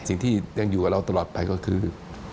สิ่งที่ยังอยู่กับเราตลอดไปก็คือ